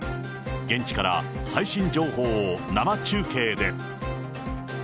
現地から最新情報を生中継で。